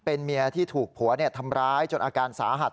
เป็นเมียที่ถูกผัวทำร้ายจนอาการสาหัส